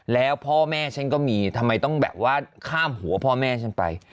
แล้วพ่อแม่ฉันก็มีทำไมต้องแบบว่าข้ามหัวพ่อแม่ฉันไป